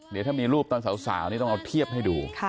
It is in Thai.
เดี๋ยวถ้ามีรูปตอนสาวนี่ต้องเอาเทียบให้ดู